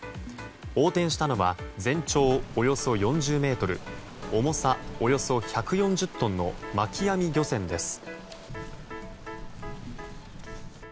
横転したのは全長およそ４０ｍ重さおよそ１４０トンの巻き網漁船です。